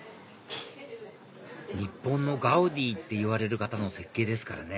日本のガウディっていわれる方の設計ですからね